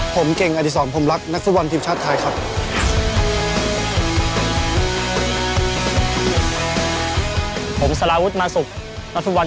ผมเก่งอาถยศสองผมรักนักฟุตวรรค์